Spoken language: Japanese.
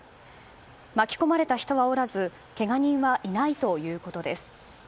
巻き込まれた人はおらずけが人はいないということです。